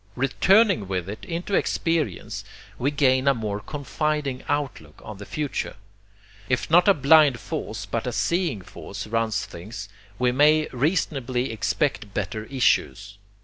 Returning with it into experience, we gain a more confiding outlook on the future. If not a blind force but a seeing force runs things, we may reasonably expect better issues.